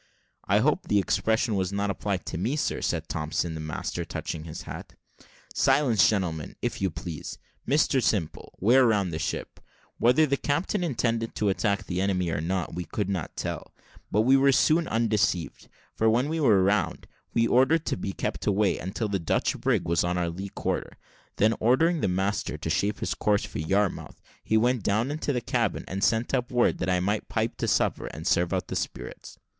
"I hope the expression was not applied to me, sir," said Thompson, the master, touching his hat. "Silence, gentlemen, if you please. Mr Simple, wear round the ship." Whether the captain intended to attack the enemy or not, we could not tell, but we were soon undeceived; for when we were round, he ordered her to be kept away, until the Dutch brig was on our lee quarter: then ordering the master to shape his course for Yarmouth, he went down into the cabin, and sent up word that I might pipe to supper, and serve out the spirits.